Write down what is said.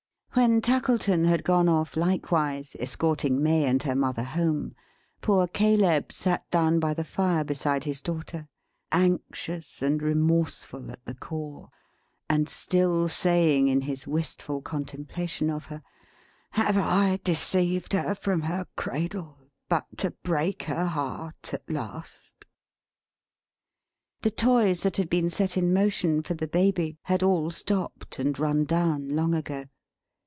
When Tackleton had gone off likewise, escorting May and her mother home, poor Caleb sat down by the fire beside his daughter; anxious and remorseful at the core; and still saying in his wistful contemplation of her, "have I deceived her from her cradle, but to break her heart at last!" The toys that had been set in motion for the Baby, had all stopped and run down, long ago.